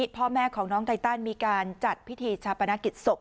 พ่อแม่ของน้องไตตันมีการจัดพิธีชาปนกิจศพ